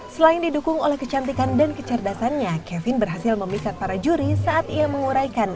selain didukung oleh kecantikan dan kecerdasannya kevin berhasil memisat para juri saat ia menguraikan